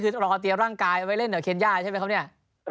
คือรอเตรียมร่างกายเอาไว้เล่นกับเคนย่าใช่ไหมครับเนี่ย